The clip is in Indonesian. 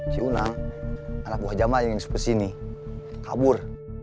si unang anak buah jama yang disepersini kabur